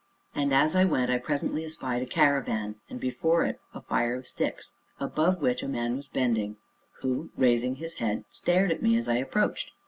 And, as I went, I presently espied a caravan, and before it a fire of sticks, above which a man was bending, who, raising his head, stared at me as I approached.